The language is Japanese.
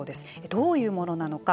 どういうものなのか。